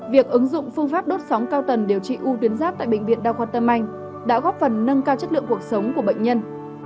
việc ứng dụng phương pháp đốt sóng cao tần điều trị u tuyến giáp tại bệnh viện đa khoa tâm anh đã góp phần nâng cao chất lượng cuộc sống của bệnh nhân